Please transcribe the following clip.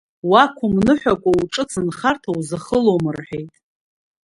Уақәымныҳәакәа уҿыц нхарҭа узахылом рҳәеит.